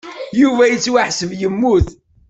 Yuba yettwaḥseb yemmut.